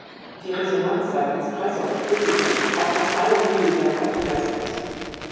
Die Resonanz seitens Presse und Publikum auf das Album fiel sehr kontrovers aus.